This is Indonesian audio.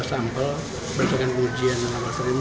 empat belas sampel berdasarkan ujian yang awal sering